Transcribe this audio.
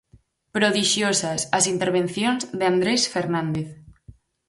Prodixiosas as intervencións de Andrés Fernández.